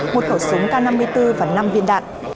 một khẩu súng k năm mươi bốn và năm viên đạn